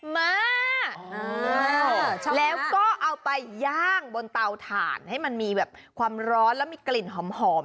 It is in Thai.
มาแล้วก็เอาไปย่างบนเตาถ่านให้มันมีแบบความร้อนแล้วมีกลิ่นหอม